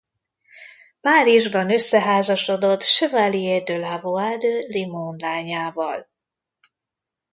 Párizsban összeházasodott Chevalier d’Ellevaux de Limon lányával.